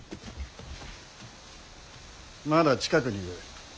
まだ近くにいる。